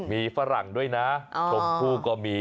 มีฝรั่งด้วยนะชมพู่ก็มี